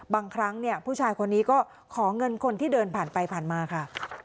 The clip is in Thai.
บางครั้งเนี่ยผู้ชายคนนี้ก็ขอเงินคนที่เดินผ่านไปผ่านมาค่ะ